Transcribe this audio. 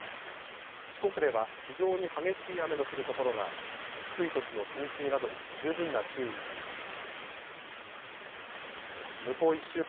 四国では非常に激しい雨の降る所があり低い土地の浸水などに十分な注意が必要です。